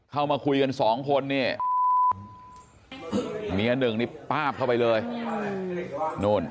เข้ามาคุยกันสองคนเนี่ยมีนึงนิ้วคับเค้าไปเลยโน้น